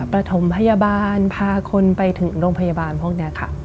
ประถมพยาบาลพาคนไปถึงโรงพยาบาลพวกนี้ค่ะ